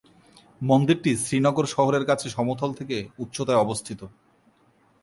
মন্দিরটি শ্রীনগর শহরের কাছে সমতল থেকে উচ্চতায় অবস্থিত।